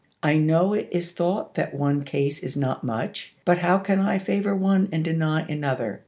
I know it is thought that one case is not much, but how can I favor one and deny another